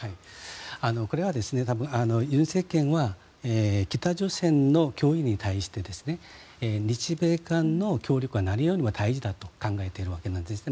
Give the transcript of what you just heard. これは尹政権は北朝鮮の脅威に対して日米韓の協力が何よりも大事だと考えているんですね。